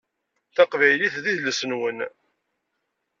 Taqbaylit d idles-nwen.